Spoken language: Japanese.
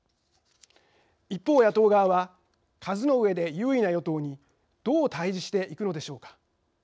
一方、野党側は数の上で優位な与党にどう対じしていくのでしょうか。